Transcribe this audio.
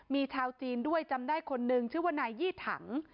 มีชาวจีนด้วยจำได้คนนึงชื่อว่านายยี่ถัง